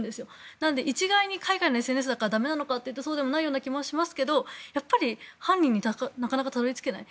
なので一概に海外のＳＮＳだからだめなのかというとそうでもない気がしますがやっぱり犯人になかなか、たどりつけない。